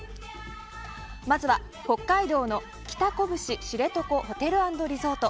まずは、北海道の北こぶし知床ホテル＆リゾート。